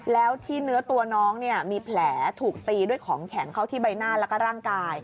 แล้วที่เนื้อตัวน้องเนี่ยมีแผลถูกตีด้วยของแข็งเข้าที่ใบหน้าแล้วก็ร่างกาย